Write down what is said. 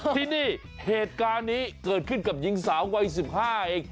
ที่นี่เหตุการณ์นี้เกิดขึ้นกับหญิงสาววัย๑๕เอง